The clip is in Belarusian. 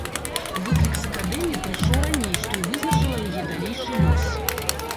Выклік з акадэміі прыйшоў раней, што і вызначыла яе далейшы лёс.